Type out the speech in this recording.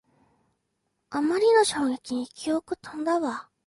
あまりの衝撃に記憶とんだわ